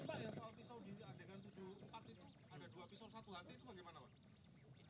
ada dua pisau satu lantai itu bagaimana pak